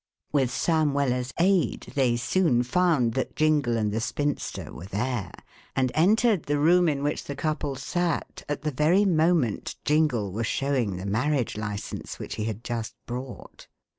With Sam Weller's aid, they soon found that Jingle and the spinster were there, and entered the room in which the couple sat at the very moment Jingle was showing the marriage license which he had just brought.